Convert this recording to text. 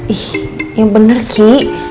ih yang bener ki